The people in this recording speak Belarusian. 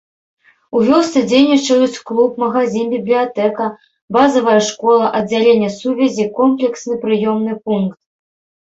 У вёсцы дзейнічаюць клуб, магазін, бібліятэка, базавая школа, аддзяленне сувязі, комплексны прыёмны пункт.